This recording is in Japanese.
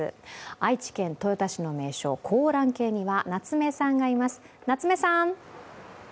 愛知県豊田市の名所香嵐渓には夏目さんがいます。